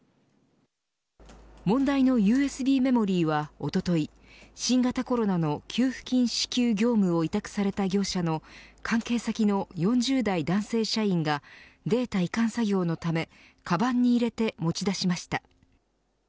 問題のＵＳＢメモリーはおととい新型コロナの給付金支給業務を委託された業者の関係先の４０代男性社員がデータ移管作業のためかばんに入れて持ち出しました。